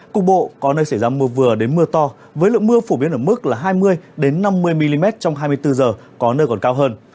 cục bộ có nơi xảy ra mưa vừa đến mưa to với lượng mưa phổ biến ở mức là hai mươi năm mươi mm trong hai mươi bốn h có nơi còn cao hơn